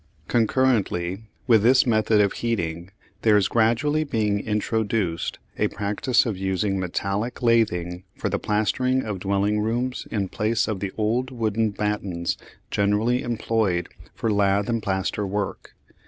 Concurrently with this method of heating there is gradually being introduced a practice of using metallic lathing for the plastering of dwelling rooms in place of the old wooden battens generally employed for lath and plaster work.